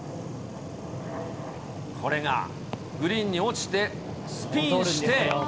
これがグリーンに落ちて、スピンして。